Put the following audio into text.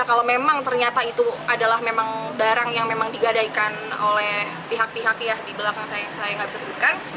kalau memang ternyata itu adalah barang yang digadaikan oleh pihak pihak di belakang saya saya tidak bisa sebutkan